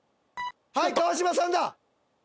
はい川島さんだ！